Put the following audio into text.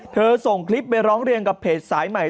ส่งคลิปไปร้องเรียนกับเพจสายใหม่